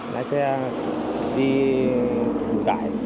lái xe đi đủ tải